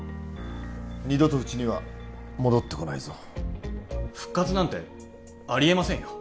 二度とうちには戻ってこないぞ復活なんてありえませんよ